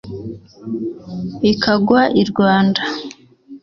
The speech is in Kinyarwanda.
ikagwa i rwanda.